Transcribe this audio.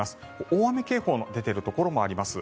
大雨警報の出ているところもあります。